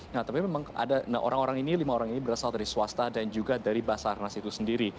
nah tapi memang ada orang orang ini lima orang ini berasal dari swasta dan juga dari basarnas itu sendiri